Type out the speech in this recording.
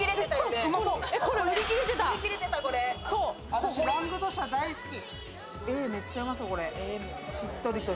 私、ラングドシャ大好き。